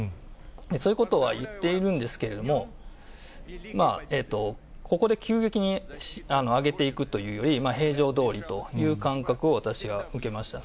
そういうことは言っているんですけれども、ここで急激に上げていくというより、平常どおりという感覚を私は受けました。